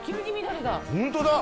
本当だ。